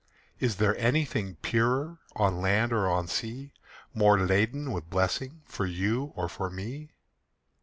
Is there anything purer On land or on sea, More laden with blessing For you or for me?